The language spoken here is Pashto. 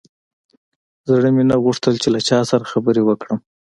زړه مې نه غوښتل چې له چا سره خبرې وکړم.